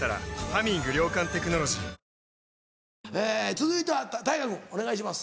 続いては太賀君お願いします。